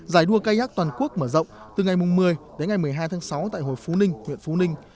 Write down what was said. giải đua cây ác toàn quốc mở rộng từ ngày một mươi đến ngày một mươi hai tháng sáu tại hồ phú ninh huyện phú ninh